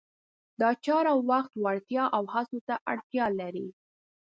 دا چاره وخت، وړتیا او هڅو ته اړتیا لري.